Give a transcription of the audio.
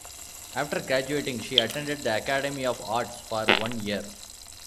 After graduating she attended the Academy of Arts for one year.